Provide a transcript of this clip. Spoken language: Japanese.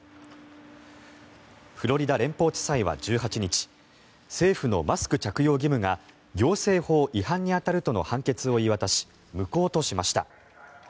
フロリダ連邦地裁は１８日政府のマスク着用義務が行政法違反に当たるとの判決を言い渡し無効としました。